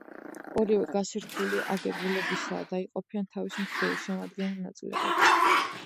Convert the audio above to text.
ორივე გარსი რთული აგებულებისაა, და იყოფიან თავის მხრივ, შემადგენელ ნაწილებად.